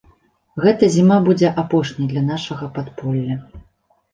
Гэта зіма будзе апошняй для нашага падполля.